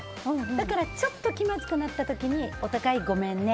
だからちょっと気まずくなった時にお互いごめんね。